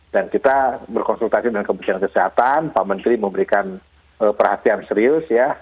dan kita berkonsultasi dengan kementerian kesehatan pak menteri memberikan perhatian serius ya